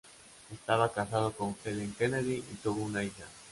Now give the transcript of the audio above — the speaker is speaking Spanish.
Estaba casado con Helen Kennedy y tuvo una hija.